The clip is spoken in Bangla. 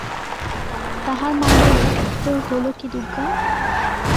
তাহার মা বলে, তোর হোল কি দুগগা?